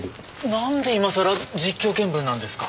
なんでいまさら実況見分なんですか？